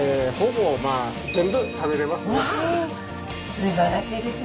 すばらしいですね。